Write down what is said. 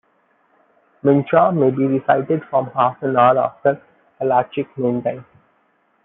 Mincha may be recited from half an hour after "halachic" noontime.